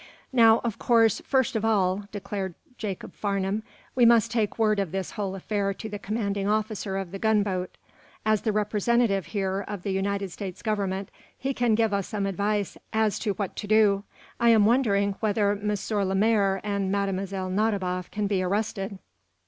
"Now, of course, first of all," declared Jacob Farnum, "we must take word of this whole affair to the commanding officer of the gunboat. As the representative, here, of the United States Government, he can give us some advice as to what to do. I am wondering whether M. Lemaire and Mlle. Nadiboff can be arrested."